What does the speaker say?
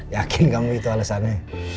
yakin kamu itu alasannya